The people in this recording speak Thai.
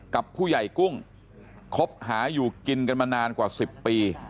กับผู้ใหญ่กุ้งคบหาอยู่กินกันมานานกว่า๑๐ปี